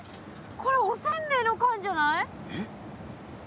これおせんべいの缶じゃない？えっ？